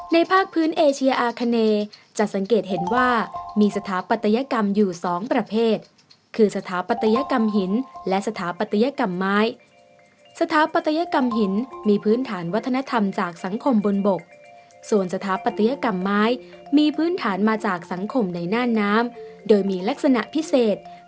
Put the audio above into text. ภาคพื้นเอเชียอาคเนจะสังเกตเห็นว่ามีสถาปัตยกรรมอยู่สองประเภทคือสถาปัตยกรรมหินและสถาปัตยกรรมไม้สถาปัตยกรรมหินมีพื้นฐานวัฒนธรรมจากสังคมบนบกส่วนสถาปัตยกรรมไม้มีพื้นฐานมาจากสังคมในหน้าน้ำโดยมีลักษณะพิเศษ